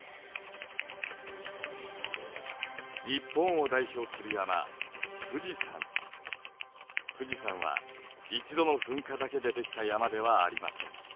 日本を代表する山富士山は一度の噴火だけで出来た山ではありません。